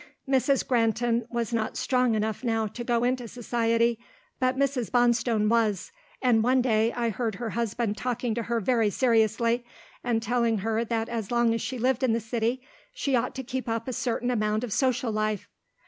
Mrs. Granton was not strong enough now to go into society, but Mrs. Bonstone was, and one day I heard her husband talking to her very seriously, and telling her that as long as she lived in the city, she ought to keep up a certain amount of social life.